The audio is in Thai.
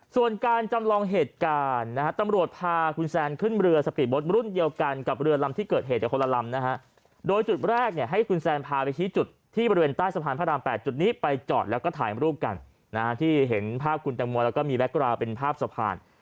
ส่วนการจำลองเหตุการณ์นะฮะตำรวจพาคุณแซนขึ้นเรือสปีดโบ๊ทรุ่นเดียวกันกับเรือลำที่เกิดเหตุคนละลำนะฮะโดยจุดแรกเนี่ยให้คุณแซนพาไปชี้จุดที่บริเวณใต้สะพานพระราม๘จุดนี้ไปจอดแล้วก็ถ่ายรูปกันนะฮะที่เห็นภาพคุณแตงโมแล้วก็มีแก๊กกราวเป็นภาพสะพาน